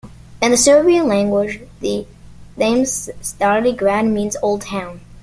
In the Serbian language, the name "Stari Grad" means "Old Town".